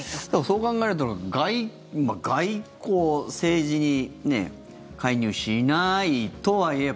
そう考えると外交、政治に介入しないとはいえ